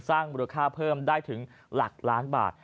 สร้างมูลค่าเพิ่มได้ถึงหลักล้านบาท